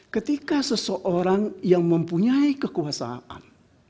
ketika seseorang yang mempunyai kekuasaan